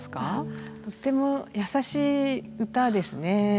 とても優しい歌ですね。